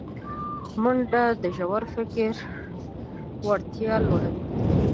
منډه د ژور فکر وړتیا لوړوي